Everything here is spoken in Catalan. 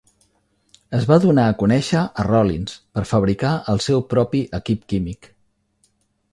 Es va donar a conèixer a Rollins per fabricar el seu propi equip químic.